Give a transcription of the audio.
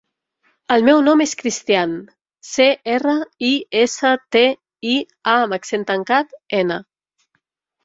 El meu nom és Cristián: ce, erra, i, essa, te, i, a amb accent tancat, ena.